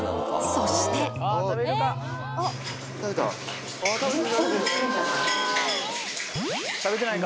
そして食べてないか？